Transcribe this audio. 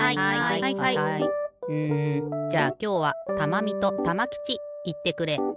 うんじゃあきょうはたまみとたまきちいってくれ。